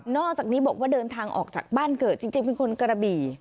อกจากนี้บอกว่าเดินทางออกจากบ้านเกิดจริงเป็นคนกระบี่